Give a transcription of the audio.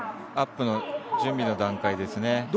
アップの準備の段階ですね。